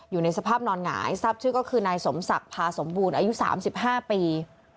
อยู่ในสภาพนอนหงายทราบชื่อก็คือนายสมศักดิ์พาสมบูรณ์อายุ๓๕ปี